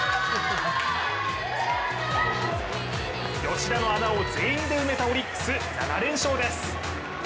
吉田の穴を全員で埋めたオリックス、７連勝です。